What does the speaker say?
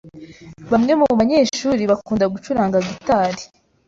Bamwe mubanyeshuri bakunda gucuranga gitari.